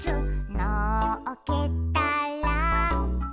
「のっけたら」